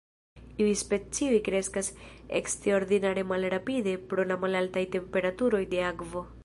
Iuj specioj kreskas eksterordinare malrapide pro la malaltaj temperaturoj de akvo.